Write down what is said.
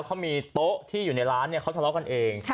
เค้ามีโต๊ะอยู่ในร้านเนี่ยขอสาเหตุกันเอง